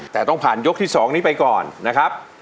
แต่ต้องผ่านยกที่๒นี้ไปก่อนนะครับ